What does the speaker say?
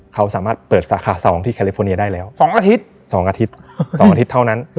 เขาสามารถเปิดสาขา๒ที่แคลิฟอร์เนียได้แล้ว๒อาทิตย์๒อาทิตย์๒อาทิตย์เท่านั้น